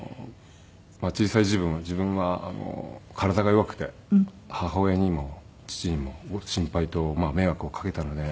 小さい時分は自分は体が弱くて母親にも父にも心配と迷惑をかけたので。